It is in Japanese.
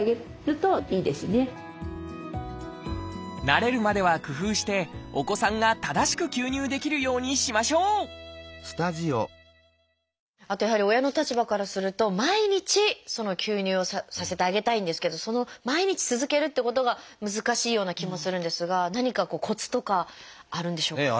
慣れるまでは工夫してお子さんが正しく吸入できるようにしましょうあとやはり親の立場からすると毎日吸入をさせてあげたいんですけどその毎日続けるってことが難しいような気もするんですが何かコツとかあるんでしょうか？